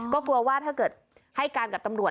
ก็กลัวว่าถ้าเกิดให้การกับตำรวจ